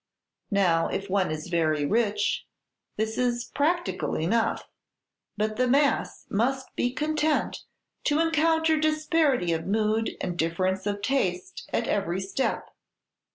Now, if one is very rich, this is practical enough; but the mass must be content to encounter disparity of mood and difference of taste at every step.